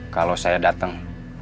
kalau saya dateng